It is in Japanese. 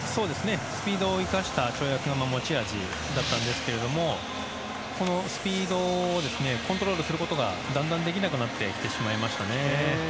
スピードを生かした跳躍が持ち味だったんですけれどもスピードをコントロールすることがだんだんできなくなってきてしまいましたね。